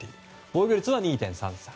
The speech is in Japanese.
防御率は２．３３。